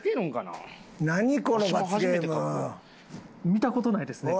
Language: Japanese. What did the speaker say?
見た事ないですね。